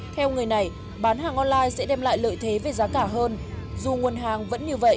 theo người này bán hàng online sẽ đem lại lợi thế về giá cả hơn dù nguồn hàng vẫn như vậy